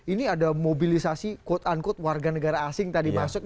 ini ada mobilisasi quote unquote warga negara asing tadi masuk